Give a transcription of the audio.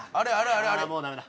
ああもうダメだ。